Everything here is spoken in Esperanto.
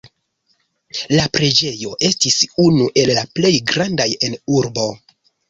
La preĝejo estis unu el la plej grandaj en urbo.